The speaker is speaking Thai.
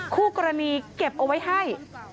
คู่กรณีเก็บเอาไว้ให้